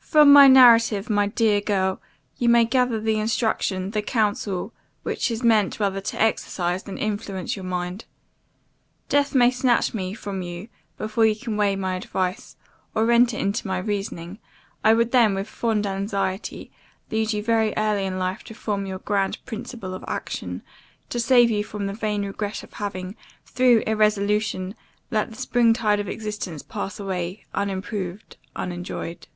From my narrative, my dear girl, you may gather the instruction, the counsel, which is meant rather to exercise than influence your mind. Death may snatch me from you, before you can weigh my advice, or enter into my reasoning: I would then, with fond anxiety, lead you very early in life to form your grand principle of action, to save you from the vain regret of having, through irresolution, let the spring tide of existence pass away, unimproved, unenjoyed.